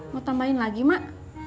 mau tambahin lagi mak